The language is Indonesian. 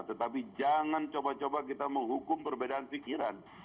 tetapi jangan coba coba kita menghukum perbedaan pikiran